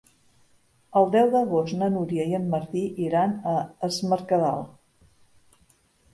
El deu d'agost na Núria i en Martí iran a Es Mercadal.